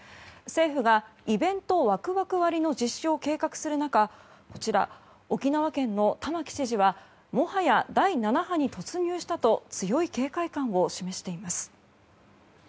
政府がイベントワクワク割の実施を検討する中こちら沖縄県の玉城知事はもはや第７波に突入したと強い警戒感を示しています。